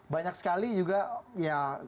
banyak sekali juga ya